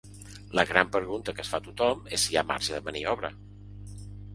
La gran pregunta que es fa tothom és si hi ha marge de maniobra.